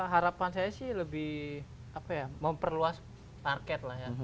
harapan saya sih lebih memperluas target lah ya